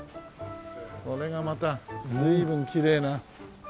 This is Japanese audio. これがまた随分きれいな。